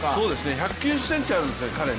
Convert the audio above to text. １９０ｃｍあるんですね、彼。